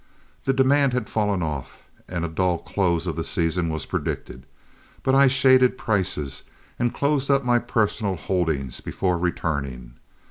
The demand had fallen off, and a dull close of the season was predicted, but I shaded prices and closed up my personal holdings before returning.